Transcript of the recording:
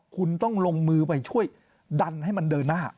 คุณต้องลงมือไปช่วยดันให้มันเดินหน้า